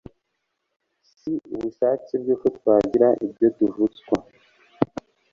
Si ubushake bwe ko twagira ibyo tuvutswa